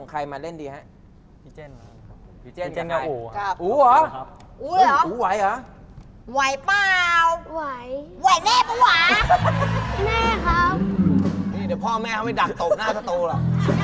ไหวเป้าไหวไหวเน่ปะหว่ามึงนะครับนี่เดี๋ยวพ่อแม่เข้าไปดักตกหน้าก็ตู้อ่ะ